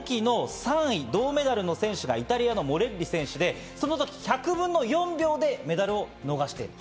その時の３位・銅メダルの選手がイタリアのモレッリ選手でその時、１００分の４秒でメダルを逃している。